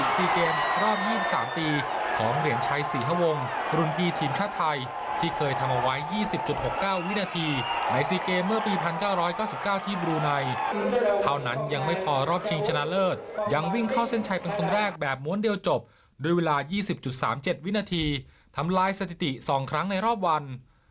สิบพันเก้าร้อยเก้าสิบเก้าที่บรูไนท์เท่านั้นยังไม่พอรอบชิงชนะเลิศยังวิ่งเข้าเส้นชัยเป็นคนแรกแบบม้วนเดียวจบโดยเวลายี่สิบจุดสามเจ็ดวินาทีทำลายสถิติสองครั้งในรอบวัน